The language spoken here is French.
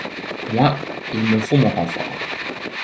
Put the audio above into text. Moi, il me faut mon confort.